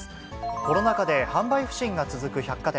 コロナ禍で販売不振が続く百貨店。